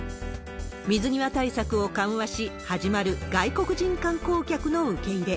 水際対策を緩和し始まる外国人観光客の受け入れ。